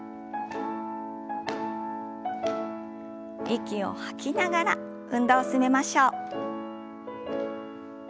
息を吐きながら運動を進めましょう。